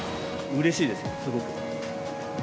うれしいですよ、すごく。